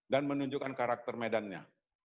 dan menunjukkan karakter medannya